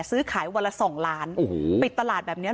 ซื้อขายวันละ๒ล้านปิดตลาดแบบนี้